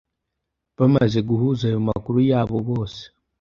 Bamaze guhuza ayo makuru yabo bose